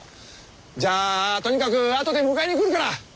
じゃあとにかくあとで迎えに来るから。